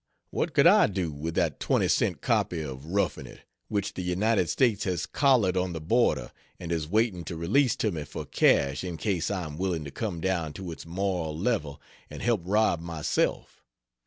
What could I do with that 20 cent copy of "Roughing It" which the United States has collared on the border and is waiting to release to me for cash in case I am willing to come down to its moral level and help rob myself?